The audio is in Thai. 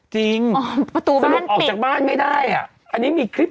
จริงอ๋อประตูบ้านออกจากบ้านไม่ได้อ่ะอันนี้มีคลิป